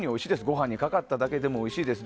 ご飯にかかっただけでもおいしいです。